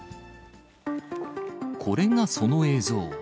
これがその映像。